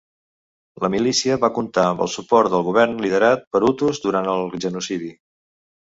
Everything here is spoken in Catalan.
La milícia va comptar amb el suport del govern liderat per hutus durant el genocidi.